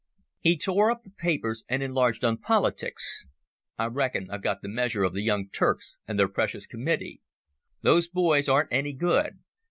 He tore up the papers and enlarged on politics. "I reckon I've got the measure of the Young Turks and their precious Committee. Those boys aren't any good.